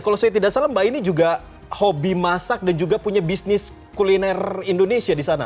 kalau saya tidak salah mbak ini juga hobi masak dan juga punya bisnis kuliner indonesia di sana